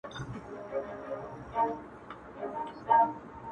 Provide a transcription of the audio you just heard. ته خو يې ښه په ما خبره نور بـه نـه درځمـه ـ